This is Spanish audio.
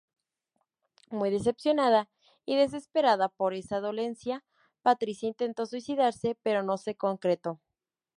Muy decepcionada y desesperada por esa dolencia, Patrícia intentó suicidarse, pero no se concretó.